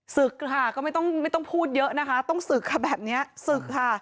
ศึกค่ะก็ไม่ต้องพูดเยอะนะคะต้องศึกค่ะแบบนี้ศึกค่ะ